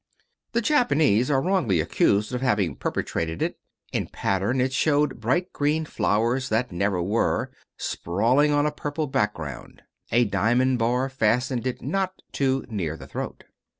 The Japanese are wrongly accused of having perpetrated it. In pattern it showed bright green flowers that never were sprawling on a purple background. A diamond bar fastened it not too near the throat.